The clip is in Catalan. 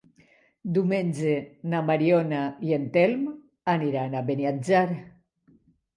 Diumenge na Mariona i en Telm aniran a Beniatjar.